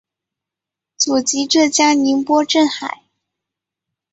祖籍浙江宁波镇海。